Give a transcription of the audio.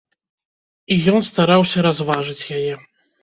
І ён стараўся разважыць яе.